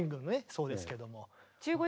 そうですけども。